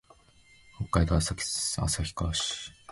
北海道旭川市